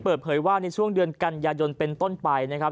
เปิดเผยว่าในช่วงเดือนกันยายนเป็นต้นไปนะครับ